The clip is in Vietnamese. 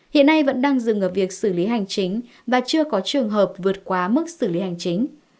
hiện nay vẫn đang dừng ở việc xử lý hành chính và chưa có trường hợp vượt quá mức xử lý hành chính